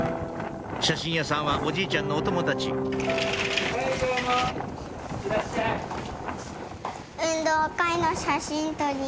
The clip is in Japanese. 写真屋さんはおじいちゃんのお友達いらっしゃい。